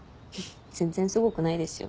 全然すごくないですよ。